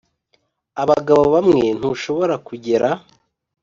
abagabo bamwe ntushobora kugera.